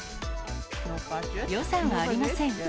予算はありません。